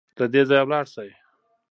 له دې ځايه ولاړ سئ